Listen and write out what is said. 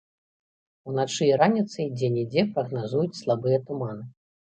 Уначы і раніцай дзе-нідзе прагназуюць слабыя туманы.